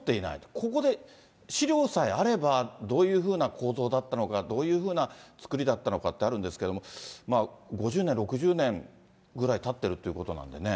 ここで資料さえあれば、どういうふうな構造だったのか、どういうふうな造りだったのかってあるんですけども、５０年、６０年ぐらいたってるということなんでね。